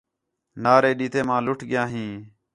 نعرے ݙیتم آں لُٹ ڳِیا ہیں